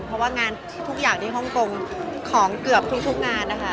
เพราะว่างานทุกอย่างที่ฮ่องกงของเกือบทุกงานนะคะ